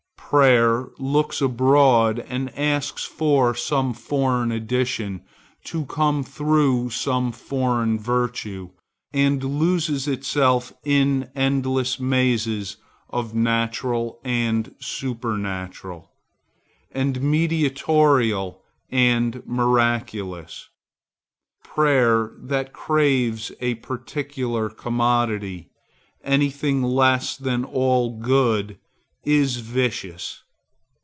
Prayer looks abroad and asks for some foreign addition to come through some foreign virtue, and loses itself in endless mazes of natural and supernatural, and mediatorial and miraculous. Prayer that craves a particular commodity, any thing less than all good, is vicious.